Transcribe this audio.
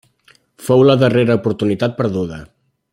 Fou la darrera oportunitat perduda.